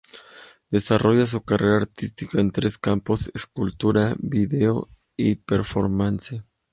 Desarrolla su carrera artística en tres campos: escultura, vídeo y performance.